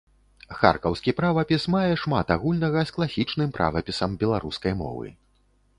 Харкаўскі правапіс мае шмат агульнага з класічным правапісам беларускай мовы.